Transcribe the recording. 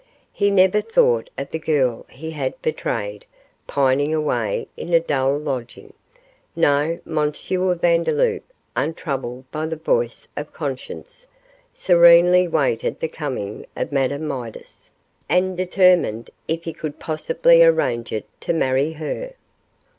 He never thought of the girl he had betrayed, pining away in a dull lodging. No, M. Vandeloup, untroubled by the voice of conscience, serenely waited the coming of Madame Midas, and determined, if he could possibly arrange it, to marry her.